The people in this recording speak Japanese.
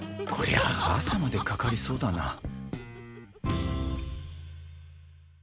こりゃ朝までかかりそうだな。